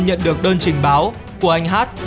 nhận được đơn trình báo của anh h